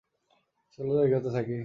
চলো এগোতে থাকি।